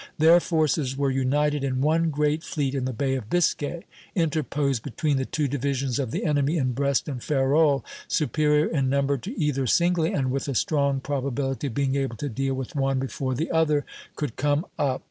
Their forces were united in one great fleet in the Bay of Biscay, interposed between the two divisions of the enemy in Brest and Ferrol, superior in number to either singly, and with a strong probability of being able to deal with one before the other could come up.